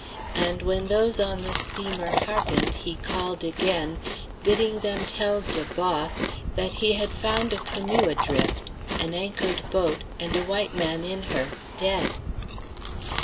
And when those on the steamer hearkened he called again, bidding them tell "de boss" that he had found a canoe adrift, an anchored boat, and a white man in her, dead.